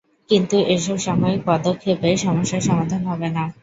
কিন্তু এসব সাময়িক পদক্ষেপে সমস্যার সমাধান হবে না।